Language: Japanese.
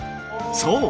そう！